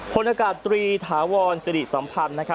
พลอากาศตรีถาวรสิริสัมพันธ์